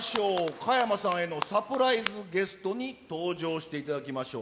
加山さんへのサプライズゲストに登場していただきましょう。